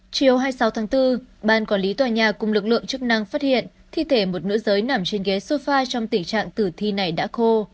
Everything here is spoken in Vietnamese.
chiều hai mươi sáu tháng bốn ban quản lý tòa nhà cùng lực lượng chức năng phát hiện thi thể một nữ giới nằm trên ghế sofa trong tình trạng tử thi này đã khô